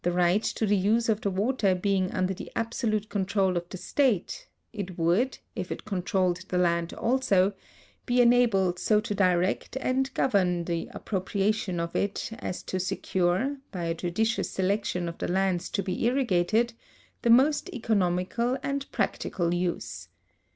The right to the use of the water being under the absolute control of the state, it would, if it controlled the land also, be enabled so to direct and govern the appropria tion of it as to secure, by a judicious selection of the lands to be irrigated, the most economical and practical use.